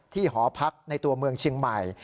หอพักในตัวเมืองเชียงใหม่